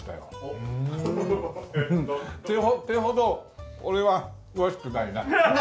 って言うほど俺は詳しくないな。